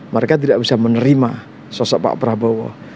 mereka tidak bisa menerima sosok pak prabowo